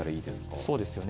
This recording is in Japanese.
そうですよね。